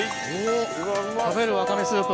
食べるワカメスープ。